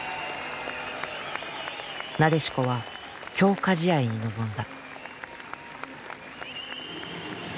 なでしこは強化試合に臨んだ。